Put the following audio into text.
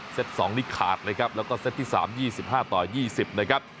๒นี่ขาดเลยครับแล้วก็เซตที่๓๒๕ต่อ๒๐นะครับ